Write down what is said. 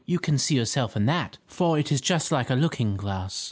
"You can see yourself in that, for it is just like a looking glass."